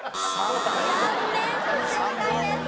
残念不正解です。